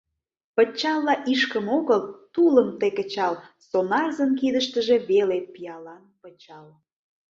Пычалла ишкым огыл, тулым тый кычал — сонарзын кидыштыже веле пиалан пычал.